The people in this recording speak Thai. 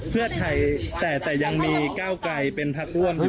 เพื่อไทยแต่ยังมีก้าวไกลเป็นพักร่วม